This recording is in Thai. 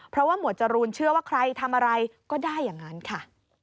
เพราะว่าหมวดจรูนเชื่อว่าใครทำอะไรก็ได้อย่างนั้นค่ะ